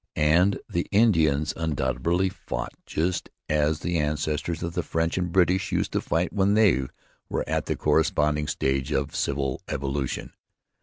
And the Indians undoubtedly fought just as the ancestors of the French and British used to fight when they were at the corresponding stage of social evolution.